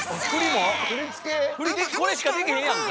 これしかでけへんやんか！